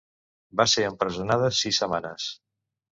Va ser empresonada sis setmanes.